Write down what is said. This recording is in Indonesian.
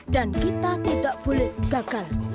dan kita tidak boleh gagal